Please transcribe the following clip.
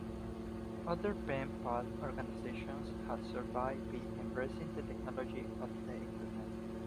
Other pen pal organizations have survived by embracing the technology of the Internet.